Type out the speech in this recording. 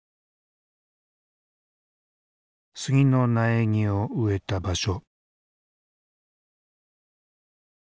杉の苗木を植えた場所。